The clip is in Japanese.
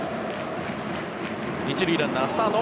１塁ランナー、スタート。